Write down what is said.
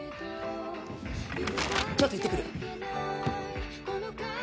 ちょっと行ってくる。